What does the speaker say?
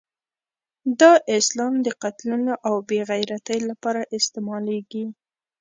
دا اسلام د قتلونو او بې عزتۍ لپاره استعمالېږي.